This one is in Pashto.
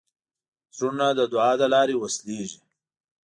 زړونه د دعا له لارې وصلېږي.